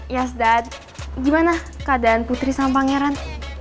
ya dad gimana keadaan putri sama pangeran